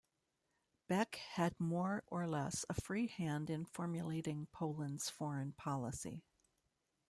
Beck had more or less a free hand in formulating Poland's foreign policy.